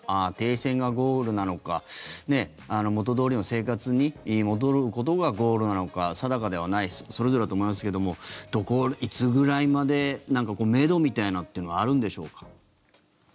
停戦がゴールなのか元どおりの生活に戻ることがゴールなのか定かではないそれぞれだと思いますけどもどこ、いつぐらいまでめどみたいなっていうのはあるのでしょうか？